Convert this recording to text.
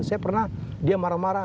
saya pernah dia marah marah